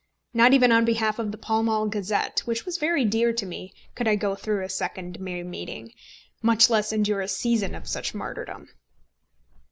Not even on behalf of the Pall Mall Gazette, which was very dear to me, could I go through a second May meeting, much less endure a season of such martyrdom.